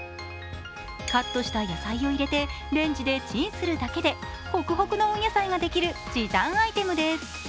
カットした野菜を入れてレンジでチンするだけでホクホクの温野菜ができる時短アイテムです。